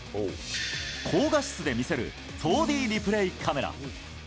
高画質で見せる４Ｄリプレイカメラ。